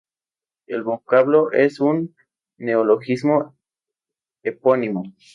El vocablo es un neologismo epónimo.